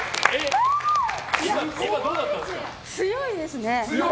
強いですね。